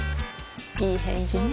いい返事ね